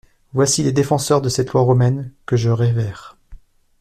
Voici les défenseurs de cette Loi romaine que je révère.